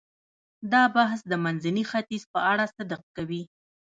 دا بحث د منځني ختیځ په اړه صدق کوي.